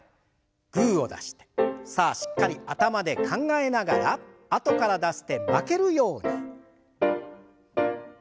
グーを出してさあしっかり頭で考えながらあとから出す手負けるように。